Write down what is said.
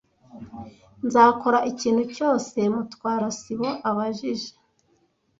Nzakora ikintu cyose Mutwara sibo abajije.